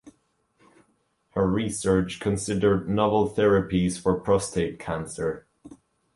Her research considered novel therapies for prostate cancer.